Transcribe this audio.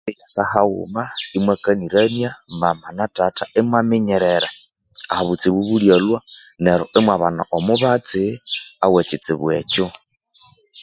Itsa haghuma imwakanirania Mama na Tata imwaminyerera aha obutsibu bulyalhwa neryo imwabana omubatsi owekitsibu ekyo